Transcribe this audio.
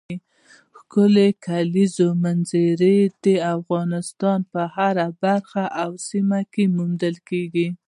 ښکلې کلیزو منظره د افغانستان په هره برخه او سیمه کې موندل کېږي.